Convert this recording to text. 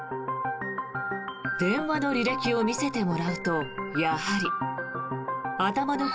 電話の履歴を見せてもらうとやはり、頭の国